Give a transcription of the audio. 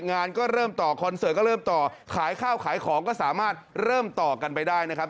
งานก็เริ่มต่อคอนเสิร์ตก็เริ่มต่อขายข้าวขายของก็สามารถเริ่มต่อกันไปได้นะครับ